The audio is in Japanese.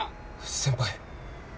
先輩。